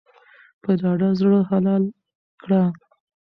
په ډاډه زړه حلال کړه.